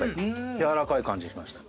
やわらかい感じしました。